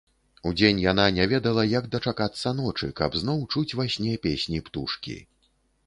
Удзень яна не ведала, як дачакацца ночы, каб зноў чуць ва сне песні птушкі.